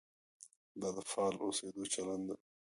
دا د فعال اوسېدو چلند دی.